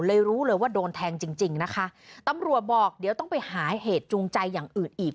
รู้เลยว่าโดนแทงจริงจริงนะคะตำรวจบอกเดี๋ยวต้องไปหาเหตุจูงใจอย่างอื่นอีก